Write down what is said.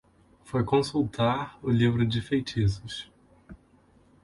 Foi consultar o livro de feitiços